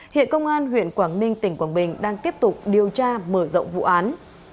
hiện công an huyện quảng ninh tỉnh quảng bình đang tiếp tục điều tra mở rộng vụ án